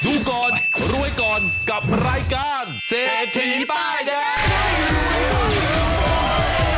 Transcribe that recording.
ดูก่อนรวยก่อนกับรายการเศรษฐีป้ายแดง